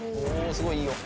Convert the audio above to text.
すごいいいよ。